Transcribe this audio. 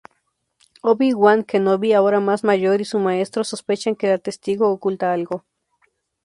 Obi-Wan Kenobi, ahora más mayor, y su maestro, sospechan que la testigo oculta algo.